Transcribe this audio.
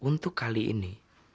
iya untuk kali ini